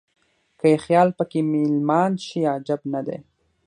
که یې خیال په کې مېلمان شي عجب نه دی.